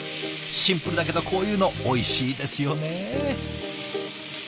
シンプルだけどこういうのおいしいですよね。